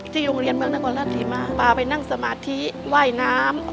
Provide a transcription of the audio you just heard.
ที่โรงเรียนเมืองนักว่ารัฐศรีมากไปนั่งสมาธิว่ายน้ำ